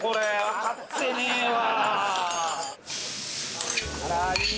わかってねえわ！